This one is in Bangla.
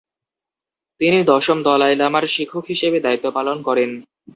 তিনি দশম দলাই লামার শিক্ষক হিসেবে দায়িত্ব পালন করেন।